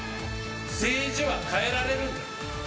政治は変えられるんです。